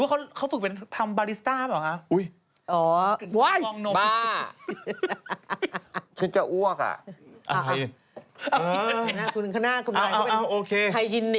ไม่ใช่สิเขาเป็นอะไรอ่ะน้ำกรีมเข้าไปในห้องน้ำแล้วก็ไปกินอันนั้นดิ